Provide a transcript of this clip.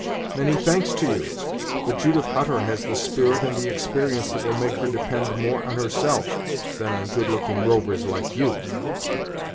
"Many thanks to you; but Judith Hutter has the spirit and the experience that will make her depend more on herself than on good looking rovers like you.